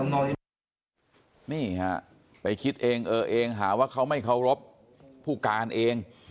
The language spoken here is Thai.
นี่ฮะไปคิดเองเออเองหาว่าเขาไม่เคารพผู้การเอง